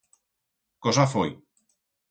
Cosa foi.